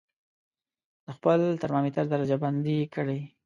د خپل ترمامتر درجه بندي یې کړئ.